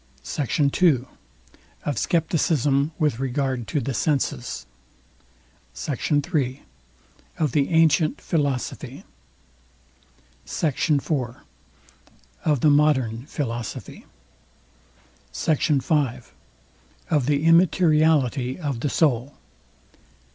SECT. II. OF SCEPTICISM WITH REGARD TO THE SENSES. SECT. III. OF THE ANTIENT PHILOSOPHY. SECT. IV. OF THE MODERN PHILOSOPHY. SECT. V. OF THE IMMATERIALITY OF THE SOUL.